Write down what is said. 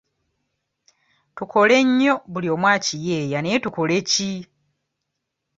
Tukole nnyo buli omu akiyeeya naye tukole Ki?